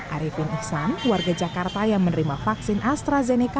arifin ihsan keluarga jakarta yang menerima vaksin astrazeneca